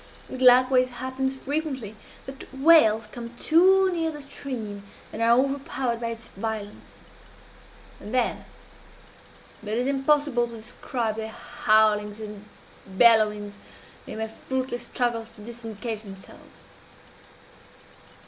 It likewise happens frequently that whales come too near the stream, and are overpowered by its violence; and then it is impossible to describe their howlings and bellowings in their fruitless struggles to disengage themselves.